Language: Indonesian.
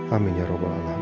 amin ya rabbal alam